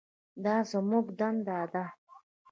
دا زموږ دنده ده.